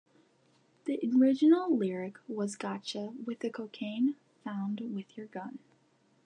The original lyric was Gotcha with the cocaine, found with your gun.